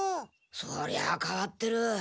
そりゃあ変わってる。